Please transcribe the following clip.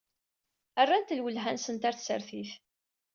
Rrant lwelha-nsent ɣer tsertit.